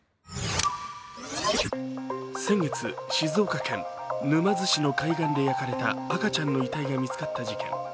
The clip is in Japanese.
先月、静岡県沼津市の海岸で焼かれた赤ちゃんの遺体が見つかった事件。